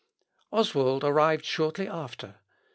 Oswald arrived shortly after.